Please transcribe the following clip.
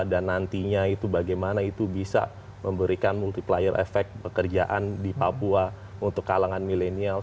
dan nantinya itu bagaimana itu bisa memberikan multiplier efek pekerjaan di papua untuk kalangan milenial